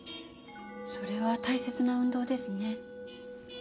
それは大切な運動ですね。